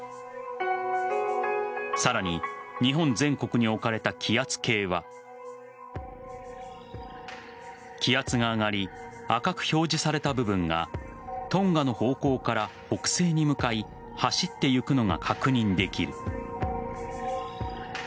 さらに日本全国に置かれた気圧計は気圧が上がり赤く表示された部分がトンガの方向から北西に向かい走っていくのが確認できる。